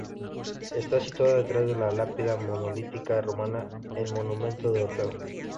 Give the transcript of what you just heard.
Está situada detrás de la lápida monolítica romana, el Monumento de Orfeo.